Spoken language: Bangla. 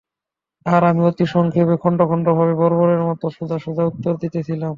আর আমি অতি সংক্ষেপে খণ্ড খণ্ড ভাবে বর্বরের মতো সোজা সোজা উত্তর দিতেছিলাম।